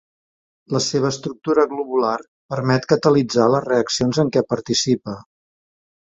La seva estructura globular permet catalitzar les reaccions en què participa.